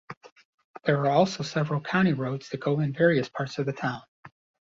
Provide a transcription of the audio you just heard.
There are also several county roads that go in various parts of the town.